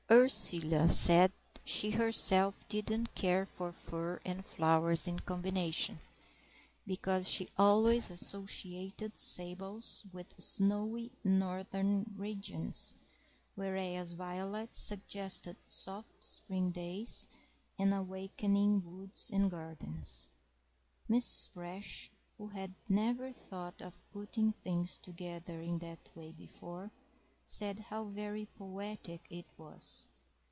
Ursula said she herself didn't care for fur and flowers in combination, because she always associated sables with snowy northern regions, whereas violets suggested soft spring days and awakening woods and gardens. Mrs. Brash, who had never thought of putting things together in that way before, said how very poetic it was.